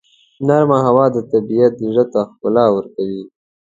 نرمه هوا د طبیعت زړه ته ښکلا ورکوي.